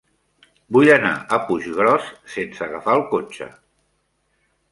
Vull anar a Puiggròs sense agafar el cotxe.